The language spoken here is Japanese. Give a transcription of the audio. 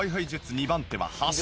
２番手は橋本涼！